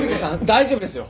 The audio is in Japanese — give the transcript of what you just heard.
大丈夫ですよ。